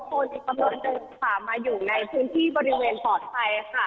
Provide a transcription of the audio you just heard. สามารถอยู่ในพื้นที่บริเวณปลอดภัย